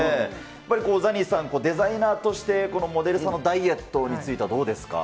やっぱりザニーさん、デザイナーとして、このモデルさんのダイエットについてはどうですか？